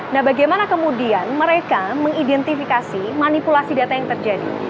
nah bagaimana kemudian mereka mengidentifikasi manipulasi data yang terjadi